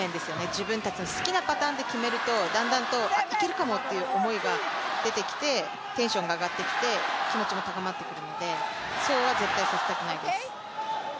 自分たちの好きなパターンで決めるとだんだんといけるかもという思いが出てきてテンションが上がってきて、気持ちも高まってくるので、そうは絶対させたくないです。